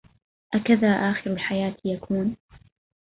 أكذا آخر الحياة يكون